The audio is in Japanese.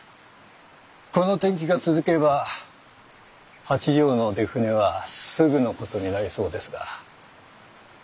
この天気が続けば八丈の出船はすぐの事になりそうですが。